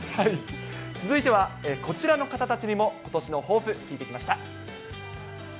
続いては、こちらの方たちにも、ことしの抱負、聞いてきました。